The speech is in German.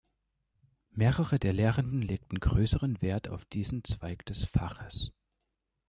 Mehrere der Lehrenden legten größeren Wert auf diesen Zweig des Faches.